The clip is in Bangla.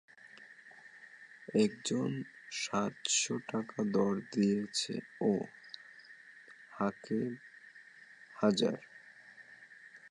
একজন সাতশো টাকা দর দিয়েছে, ও হাকে হাজার।